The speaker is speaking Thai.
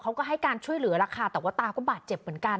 เขาก็ให้การช่วยเหลือแล้วค่ะแต่ว่าตาก็บาดเจ็บเหมือนกัน